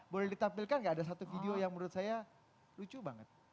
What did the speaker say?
boleh ditampilkan nggak ada satu video yang menurut saya lucu banget